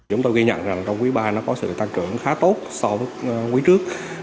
chúng tôi ghi nhận rằng trong quý ba nó có sự tăng trưởng khá tốt so với quý trước